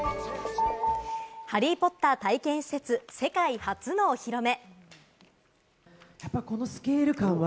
『ハリー・ポッター』体験施設、世界初のお披露目。